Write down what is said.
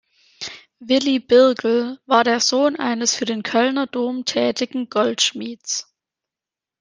Willy Birgel war der Sohn eines für den Kölner Dom tätigen Goldschmieds.